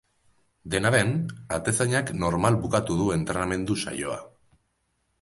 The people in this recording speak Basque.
Dena den, atezainak normal bukatu du entrenamendu-saioa.